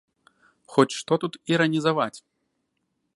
Хоць што тут іранізаваць?